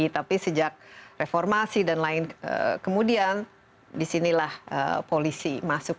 tapi sejak reformasi dan lain kemudian disinilah polisi masuk